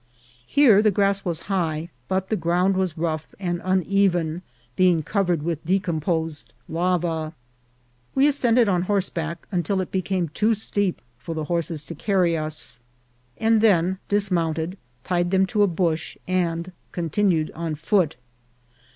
Here the grass was high, but the ground was rough and uneven, being covered with decomposed lava. We as cended on horseback until it became too steep for the horses to carry us, and then dismounted, tied them to a bush, and continued on foot.